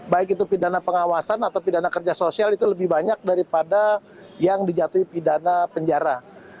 baik itu pidana pengawasan atau pidana kerja sosial itu lebih banyak daripada yang dijatuhi pidana penjara